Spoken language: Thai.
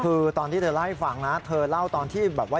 คือตอนที่เธอเล่าให้ฟังนะเธอเล่าตอนที่แบบว่า